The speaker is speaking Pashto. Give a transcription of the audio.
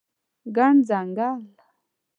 ګڼ ځنګل